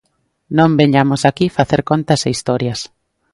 Non veñamos aquí facer contas e historias.